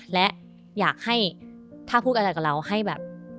และอยากให้ถ้าพูดอะไรกับเรา